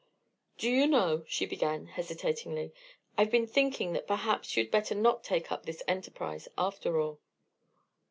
"Do you know," she began, hesitatingly, "I've been thinking that perhaps you'd better not take up this enterprise, after all."